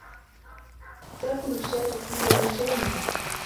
تَأْكُلُ الشَّاةُ فُولًا وَشَعِيرًا.